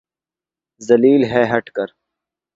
ذلیل ہے ہٹ کر